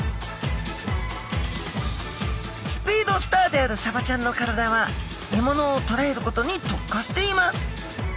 スピードスターであるサバちゃんの体は獲物をとらえることに特化しています。